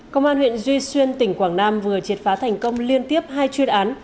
công an huyện duy xuyên tỉnh quảng nam vừa triệt phá thành công liên tiếp hai chuyên án